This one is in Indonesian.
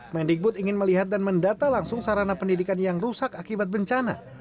mendikbud ingin melihat dan mendata langsung sarana pendidikan yang rusak akibat bencana